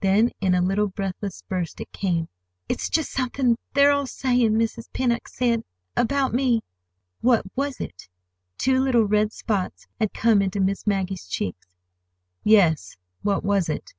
Then in a little breathless burst it came. "It's just something they're all saying Mrs. Pennock said—about me." "What was it?" Two little red spots had come into Miss Maggie's cheeks. "Yes, what was it?"